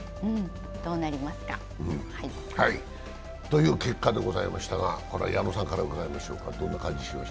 どうなりますか。という結果でございましたが矢野さんからお伺いします。